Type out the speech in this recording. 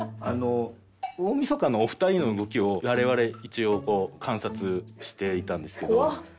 あの大みそかのお二人の動きを我々一応観察していたんですけど。